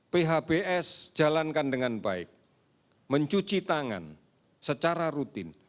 phbs jalankan dengan baik mencuci tangan secara rutin